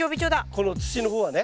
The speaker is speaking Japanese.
この土の方はね。